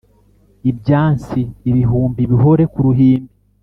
Ibyansi ibihumbi bihore ku ruhimbi